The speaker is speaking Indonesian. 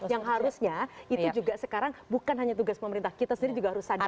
yang harusnya itu juga sekarang bukan hanya tugas pemerintah kita sendiri juga harus sadar